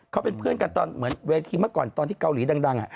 เขาเป็นเพื่อนกันเมื่อก่อนเวลาที่เกาหลีดัง